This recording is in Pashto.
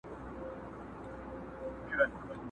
يو وزير به يې مين وو پر رنگونو!!